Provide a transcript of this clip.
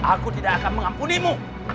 aku tidak akan mengampunimu